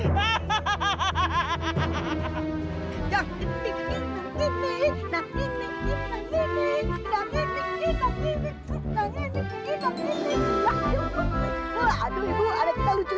dari tadi aja tangan dan kakinya gerak gerak terus tuh